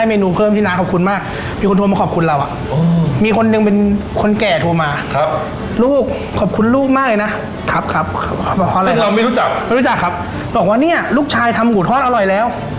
ลูกมากเลยนะครับครับซึ่งเราไม่รู้จักไม่รู้จักครับบอกว่าเนี้ยลูกชายทำหูทอดอร่อยแล้ว